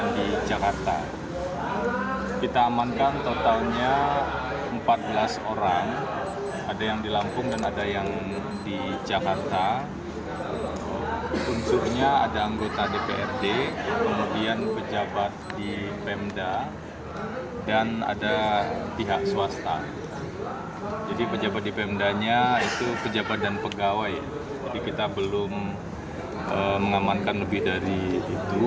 dprd dan ada pihak swasta jadi pejabat di pemdanya itu pejabat dan pegawai jadi kita belum mengamankan lebih dari itu